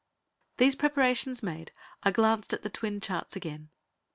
] These preparations made, I glanced at the twin charts again.